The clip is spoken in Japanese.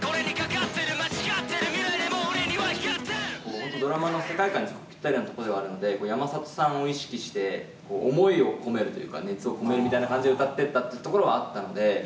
本当、ドラマの世界観にぴったりなところではあるので、山里さんを意識して、思いを込めるというか、熱を込めるみたいな感じで歌ってったっていうところはあったので。